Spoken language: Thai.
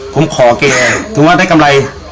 ผมขอแกถือว่าได้กำไร